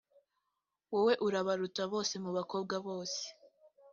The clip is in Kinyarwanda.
wowe urabaruta bose mubakobwa bose